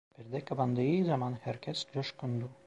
Perde kapandığı zaman herkes coşkundu.